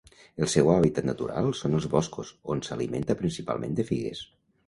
El seu hàbitat natural són els boscos, on s'alimenta principalment de figues.